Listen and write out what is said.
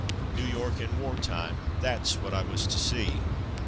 New York in war time, that's what I was to see.